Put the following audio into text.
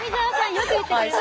よく言ってくれましたね。